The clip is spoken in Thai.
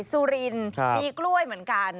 สุรินมีกล้วยเหมือนกัน